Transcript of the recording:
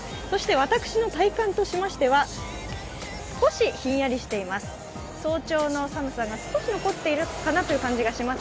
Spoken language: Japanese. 私の体感としましては、少しひんやりしています。